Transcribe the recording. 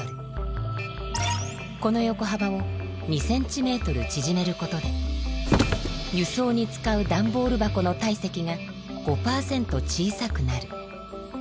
このよこはばを２ｃｍちぢめることで輸送に使う段ボール箱の体積が５％小さくなる。